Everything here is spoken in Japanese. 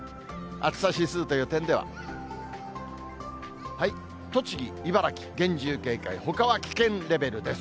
暑さ指数という点では、栃木、茨城、厳重警戒、ほかは危険レベルです。